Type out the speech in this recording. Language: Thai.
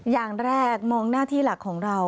อย่างแรกมองหน้าที่หลักของเรา